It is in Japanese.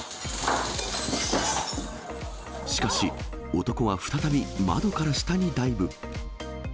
しかし男は再び、窓から下にダイブ。